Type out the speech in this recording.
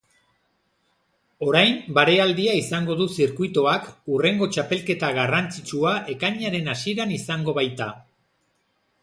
Orain barealdia izango du zirkuitoak, hurrengo txapelketa garrantzitsua ekainaren hasieran izango baita.